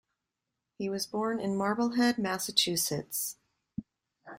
He was born in Marblehead, Massachusetts.